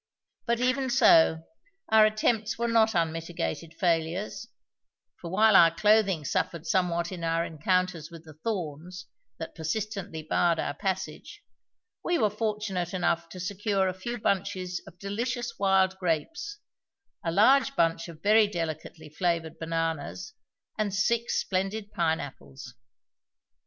But, even so, our attempts were not unmitigated failures, for while our clothing suffered somewhat in our encounters with the thorns that persistently barred our passage, we were fortunate enough to secure a few bunches of delicious wild grapes, a large bunch of very delicately flavoured bananas, and six splendid pineapples.